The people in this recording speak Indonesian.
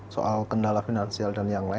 soal kendala finansial dan yang lain